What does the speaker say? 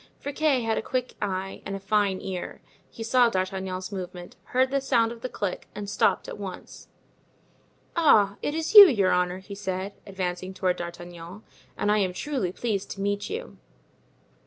Friquet had a quick eye and a fine ear. He saw D'Artagnan's movement, heard the sound of the click, and stopped at once. "Ah! it is you, your honor," he said, advancing toward D'Artagnan; "and I am truly pleased to meet you."